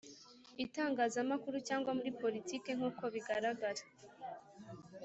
itangazamakuru cyangwa muri politiki nkuko bigaragara